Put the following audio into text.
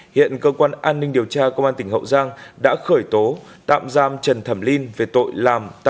hiện cơ quan an ninh điều tra công an tỉnh hậu giang đã khởi tố tạm giam trần thẩm linh